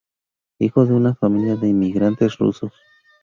Hijo de una familia de inmigrantes rusos.